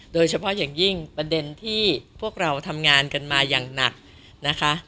โดยเฉพาะอย่างยิ่งประเด็นที่พวกเราทำงานกันมาอย่างหนักนะคะ